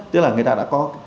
tức là người ta đã có